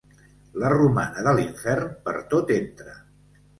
La romana de l'infern, per tot entra.